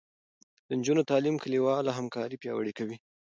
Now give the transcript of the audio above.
د نجونو تعلیم کلیواله همکاري پیاوړې کوي.